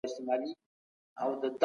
لویه جرګه کله د سولي له پاره جوړیږي؟